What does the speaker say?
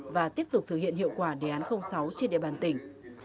và tiếp tục thực hiện hiệu quả đề án sáu trên địa bàn tỉnh